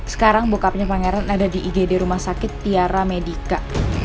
sekarang bokapnya pangeran ada di igd rumah sakit tiara medica